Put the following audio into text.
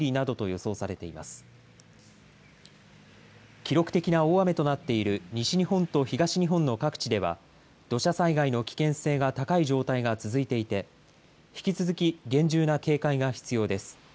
記録的な大雨となっている西日本と東日本の各地では、土砂災害の危険性が高い状態が続いていて、引き続き厳重な警戒が必要です。